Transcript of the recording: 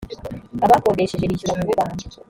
abakodesheje bishyura vuba.